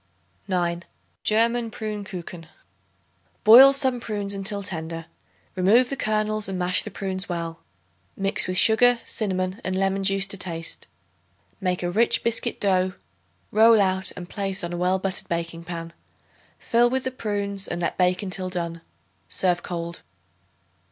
9. German Prune Kuchen. Boil some prunes until tender. Remove the kernels and mash the prunes well. Mix with sugar, cinnamon and lemon juice to taste. Make a rich biscuit dough, roll out and place on a well buttered baking pan. Fill with the prunes and let bake until done. Serve cold.